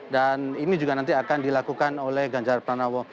dan ini juga nanti akan dilakukan oleh ganjar pranowo